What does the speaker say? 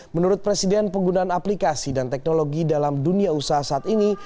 menurut presiden penggunaan aplikasi dan teknologi dalam dunia usaha saat ini